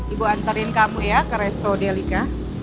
ibu antarin kamu ya ke resto delika